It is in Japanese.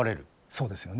そうですよね。